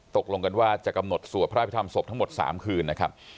ตกลงกันว่าจะกำหนดสวดพระอภิษฐรรศพทั้งหมด๓คืนนะครับ